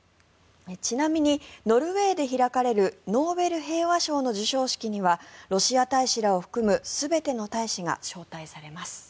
ちなみに、ノルウェーで開かれるノーベル平和賞の授賞式にはロシア大使らを含む全ての大使が招待されます。